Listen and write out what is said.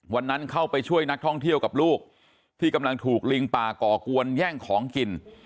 วันนั้นเข้าไปช่วยนักท่องเที่ยวกับลูกที่กำลังถูกลิงป่าก่อกวนแย่งของกิน